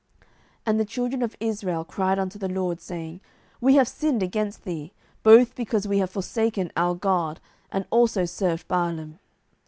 07:010:010 And the children of Israel cried unto the LORD, saying, We have sinned against thee, both because we have forsaken our God, and also served Baalim.